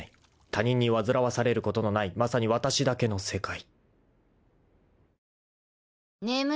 ［他人に煩わされることのないまさにわたしだけの世界］